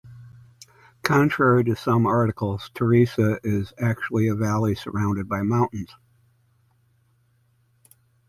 Contrary to some articles, Teresa is actually a valley surrounded by mountains.